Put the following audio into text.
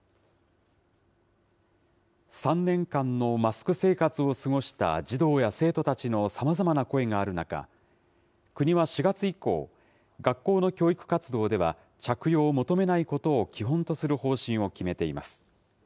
３年間のマスク生活を過ごした児童や生徒たちのさまざまな声がある中、国は４月以降、学校の教育活動では、着用を求めないことを基本とする方針を決めています。